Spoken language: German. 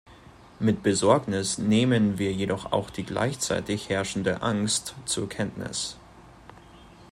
Mit Besorgnis nehmen wir jedoch auch die gleichzeitig herrschende Angst zur Kenntnis.